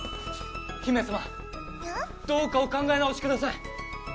姫様どうかお考え直しください！